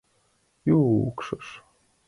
Йӱкшыш.